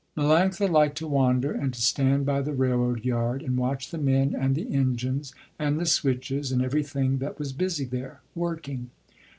Melanctha liked to wander, and to stand by the railroad yard, and watch the men and the engines and the switches and everything that was busy there, working.